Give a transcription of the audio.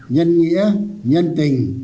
nhân nghĩa nhân tình